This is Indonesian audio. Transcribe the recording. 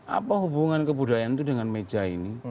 apa hubungan kebudayaan itu dengan meja ini